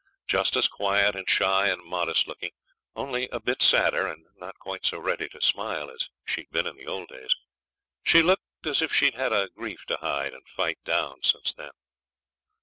Just as quiet and shy and modest looking only a bit sadder, and not quite so ready to smile as she'd been in the old days. She looked as if she'd had a grief to hide and fight down since then.